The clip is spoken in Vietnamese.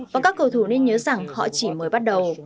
và các cầu thủ nên nhớ rằng họ chỉ mới bắt đầu